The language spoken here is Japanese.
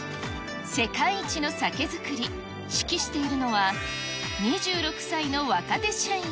世界一の酒造り、指揮しているのは、２６歳の若手社員。